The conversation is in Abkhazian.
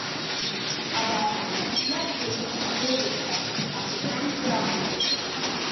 Абаахкырагьы иажәлеит иҳазгозар ҳәа, аха ихьамҵыр амуит.